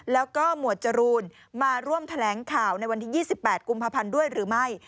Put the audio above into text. แล้วก็หมวดจรูนมาร่วมแถลงข่าวในวันที่๒๘กุมภาพันธ์ด้วยหรือไม่